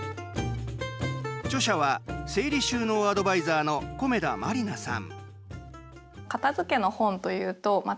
著者は、整理収納アドバイザーの米田まりなさん。